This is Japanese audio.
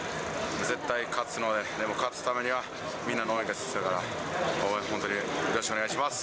絶対勝つので、でも勝つためにはみんなの応援が必要だから、応援本当によろしくお願いします。